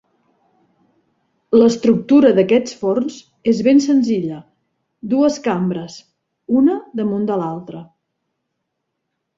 L'estructura d'aquests forns és ben senzilla: dues cambres, una damunt de l'altra.